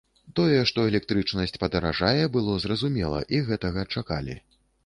Тое, што электрычнасць падаражае, было зразумела і гэтага чакалі.